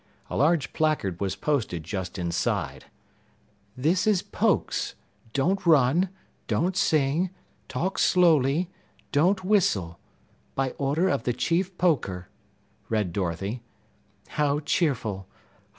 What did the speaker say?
A large placard was posted just inside: THIS IS POKES! DON'T RUN! DON'T SING! TALK SLOWLY! DON'T WHISTLE! Order of the Chief Poker. read Dorothy. "How cheerful!